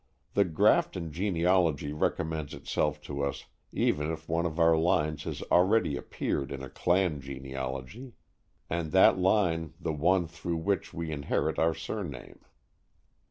The "Grafton" genealogy recommends itself to us, even if one of our lines has already appeared in a "clan" genealogy, and that line the one through which we inherit our surname.